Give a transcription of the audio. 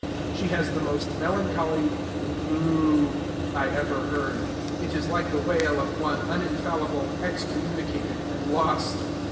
She has the most melancholy "moo" I ever heard. It is like the wail of one uninfallible, excommunicated, and lost.